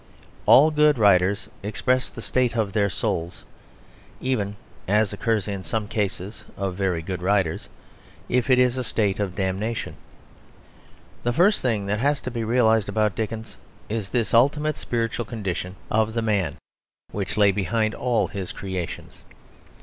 All good writers express the state of their souls, even (as occurs in some cases of very good writers) if it is a state of damnation. The first thing that has to be realised about Dickens is this ultimate spiritual condition of the man, which lay behind all his creations.